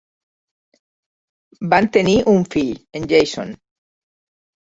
Van tenir un fill, en Jason.